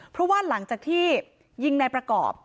เพราะว่าหลังจากที่ยิงนายประกอบ